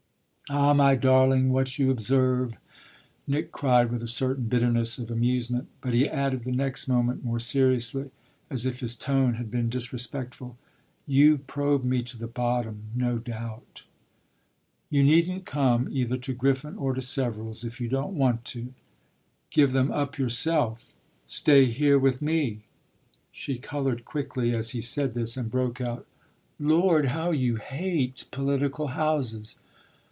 "Ah my darling, what you observe !" Nick cried with a certain bitterness of amusement. But he added the next moment more seriously, as if his tone had been disrespectful: "You probe me to the bottom, no doubt." "You needn't come either to Griffin or to Severals if you don't want to." "Give them up yourself; stay here with me!" She coloured quickly as he said this, and broke out: "Lord, how you hate political houses!"